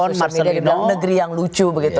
ada sosial media di dalam negeri yang lucu begitu